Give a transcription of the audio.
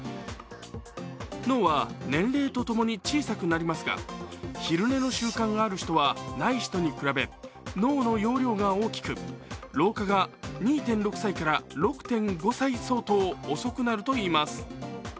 脳は年齢とともに小さくなりますが昼寝の習慣がある人はない人に比べ脳の容量が大きく、老化が２．６歳から６．５歳相当遅くなるといいます。